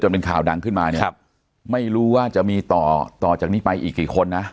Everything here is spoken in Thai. เป็นข่าวดังขึ้นมาเนี่ยครับไม่รู้ว่าจะมีต่อต่อจากนี้ไปอีกกี่คนนะ